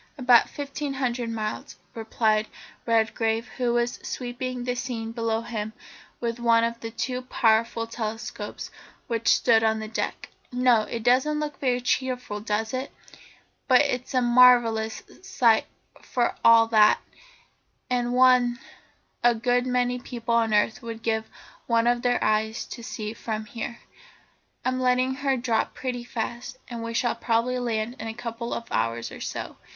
"About fifteen hundred miles," replied Redgrave, who was sweeping the scene below him with one of the two powerful telescopes which stood on the deck. "No, it doesn't look very cheerful, does it? But it's a marvellous sight for all that, and one that a good many people on earth would give one of their eyes to see from here. I'm letting her drop pretty fast, and we shall probably land in a couple of hours or so.